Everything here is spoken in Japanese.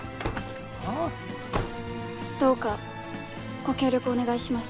あぁ？どうかご協力お願いします。